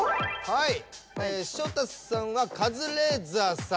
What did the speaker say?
はい。